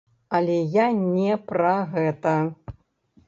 Але я не пра гэта.